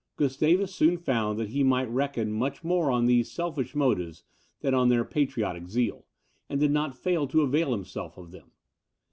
Gustavus soon found that he might reckon much more on these selfish motives, than on their patriotic zeal, and did not fail to avail himself of them.